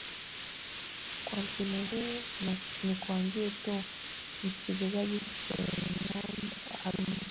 ka msimu huu na nikwambie tu msikilizaji fernado alonzo